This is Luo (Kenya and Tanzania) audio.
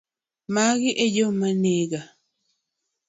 magi e joma nigo.